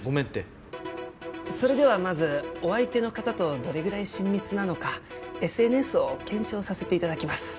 それではまずお相手の方とどれぐらい親密なのかＳＮＳを検証させていただきます。